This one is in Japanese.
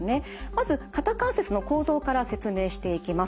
まず肩関節の構造から説明していきます。